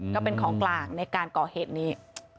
ก็เป็นของกลางในการก่อเหตุนี้